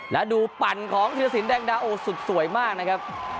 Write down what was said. และดูปั่นของธีรสินแดงดาโอสุดสวยมากนะครับ